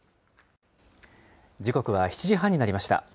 時刻は７時半になりました。